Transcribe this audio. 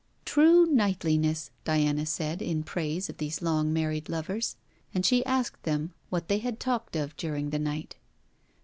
'True knightliness!' Diana said, in praise of these long married lovers; and she asked them what they had talked of during the night.